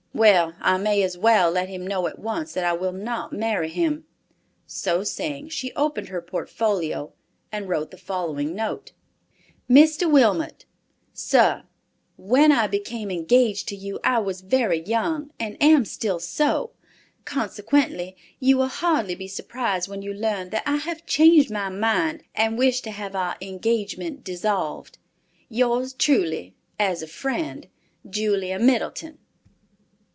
Well, I may as well let him know at once that I will not marry him." So saying, she opened her portfolio, and wrote the following note: "Mr. Wilmot: "Sir—When I became engaged to you I was very young and am still so; consequently, you will hardly be surprised when you learn that I have changed my mind and wish to have our engagement dissolved. "Yours truly, as a friend, "JULIA MIDDLETON."